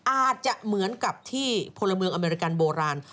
อาจจะเหมือนกับที่พลเมืองอเมริกันโบราณ